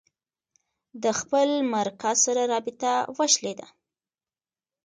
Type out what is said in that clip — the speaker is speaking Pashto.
د خپل مرکز سره رابطه وشلېده.